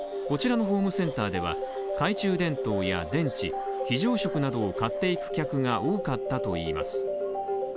こちらのホームセンターでは懐中電灯や電池非常食などを買っていく客が多かったといいます。